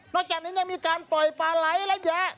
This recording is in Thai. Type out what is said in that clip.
จากนี้ยังมีการปล่อยปลาไหลและแยะ